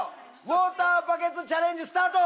ウォーターバケツチャレンジスタート！